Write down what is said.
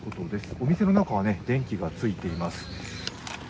お店の中は電気がついています。